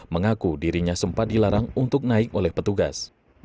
mengaku dirinya sempat dilarang untuk naik oleh petugas